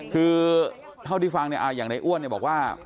คือเท่าที่ฟังเนี่ยอย่างในอ้วนเนี่ยบอกว่า